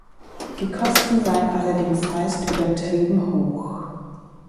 Die Kosten seien allerdings meist übertrieben hoch.